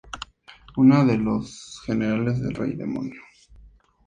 Una de los generales del Rey Demonio.